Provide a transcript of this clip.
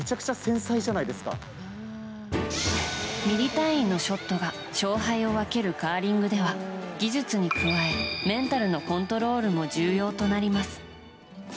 ミリ単位のショットが勝敗を分けるカーリングでは技術に加えメンタルのコントロールも重要となります。